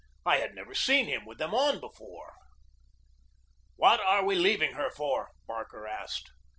I had never seen him with them on before. "What are we leaving her for?" Barker asked.